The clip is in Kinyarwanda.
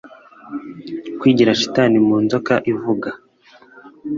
kwigira shitani mu nzoka ivuga